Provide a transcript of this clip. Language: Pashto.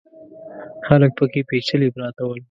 خلک پکې پېچلي پراته ول.